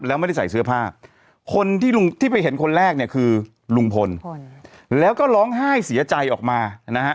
แล้วไม่ได้ใส่เสื้อผ้าคนที่ลุงที่ไปเห็นคนแรกเนี่ยคือลุงพลแล้วก็ร้องไห้เสียใจออกมานะฮะ